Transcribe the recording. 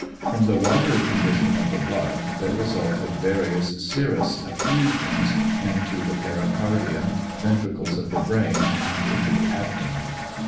From the watery condition of the blood, there resulted various serous effusions into the pericardium, ventricles of the brain, and into the abdomen.